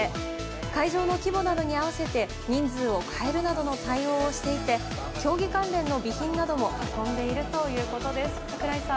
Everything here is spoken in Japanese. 会場の規模などに合わせて人数を変えるなどの対応をしていて競技関連の備品なども運んでいるということです。